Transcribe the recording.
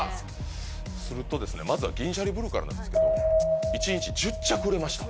するとまずは銀シャリブルーからなんですけど１日１０着売れました。